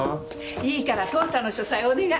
いいから父さんの書斎お願い。